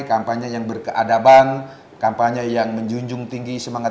kampanye yang berkeadaban kampanye yang menjunjung tinggi semangat